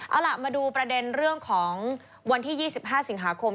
เอาล่ะมาดูประเด็นเรื่องของวันที่๒๕สิงหาคม